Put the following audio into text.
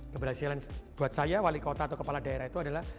keberhasilan buat saya wali kota atau kepala daerah itu adalah